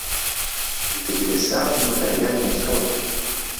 Гэта велізарныя матэрыяльныя сродкі!